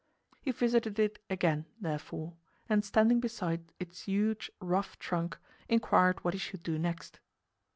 He visited it again, therefore, and standing beside its huge, rough trunk, inquired what he should do next.